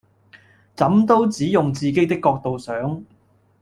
怎都只用自己的角度想！